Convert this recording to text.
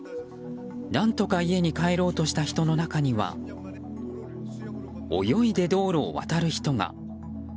何とか家に帰ろうとした人の中には泳いで道路を渡る人が。